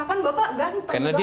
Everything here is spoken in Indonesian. kan bapak ganteng bangga